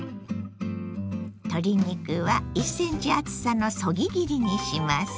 鶏肉は１ｃｍ厚さのそぎ切りにします。